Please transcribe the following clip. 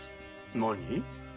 何？